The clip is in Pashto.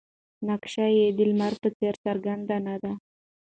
نقش یې د لمر په څېر څرګند نه دی.